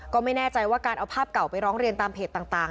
ก็ไม่แน่ใจว่าการเอาภาพเก่าไปร้องเรียนตามเพจต่าง